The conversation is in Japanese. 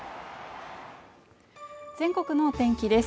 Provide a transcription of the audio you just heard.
全国の天気です